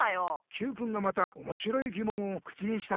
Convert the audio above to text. Ｑくんがまたおもしろいぎもんを口にしたからねえ。